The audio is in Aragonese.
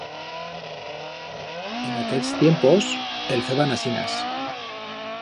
En aquers tiempos el feban asinas.